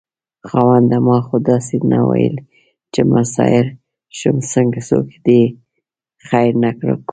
خاونده ما خو داسې نه وېل چې مساپر شم څوک دې خير نه راکوينه